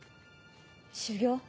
修業？